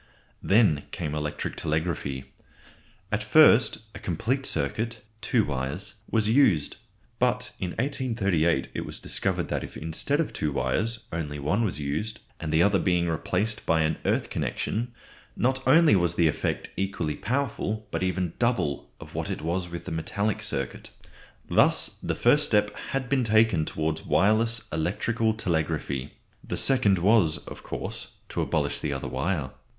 Then came electric telegraphy. At first a complete circuit (two wires) was used. But in 1838 it was discovered that if instead of two wires only one was used, the other being replaced by an earth connection, not only was the effect equally powerful, but even double of what it was with the metallic circuit. Thus the first step had been taken towards wireless electrical telegraphy. The second was, of course, to abolish the other wire.